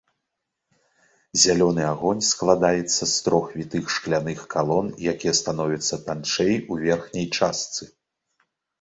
Зялёны агонь складаецца з трох вітых шкляных калон, якія становяцца танчэй у верхняй частцы.